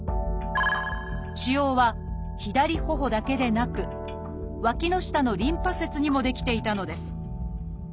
腫瘍は左頬だけでなくわきの下のリンパ節にも出来ていたのです。